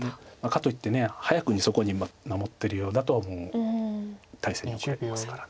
かといって早くにそこに守ってるようだともう大勢に後れますから。